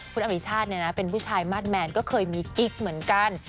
คุณอริชาติเป็นผู้ชายมาสแมนก็เคยมีกิ๊กเหมือนกัน